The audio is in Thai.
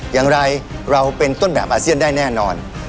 อย่างไรเราเป็นต้นแบบอาเซียนได้แน่นอน